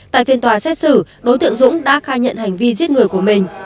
tại phiên tòa xét xử đối tượng dũng đã khai nhận hành vi giết người của mình